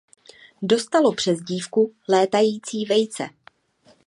Dostalo přezdívku létající vejce.